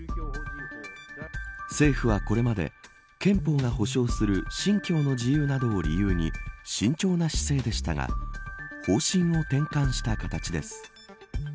政府はこれまで憲法が保障する信教の自由などを理由に慎重な姿勢でしたが方針を転換した形です。